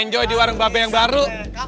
enjoy di warung mbak be yang baru